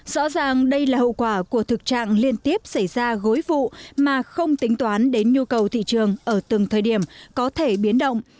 rõ ràng đây là hậu quả của thực trạng liên tiếp xảy ra gối vụ mà không tính toán đến nhu cầu thị trường ở từng thời điểm có thể biến động